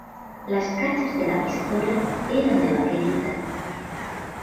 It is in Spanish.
Las cachas de la pistola eran de baquelita.